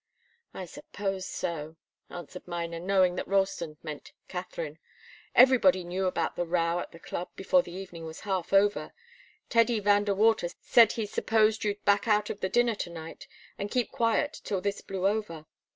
"I suppose so," answered Miner, knowing that Ralston meant Katharine. "Everybody knew about the row at the club, before the evening was half over. Teddy Van De Water said he supposed you'd back out of the dinner to night and keep quiet till this blew over.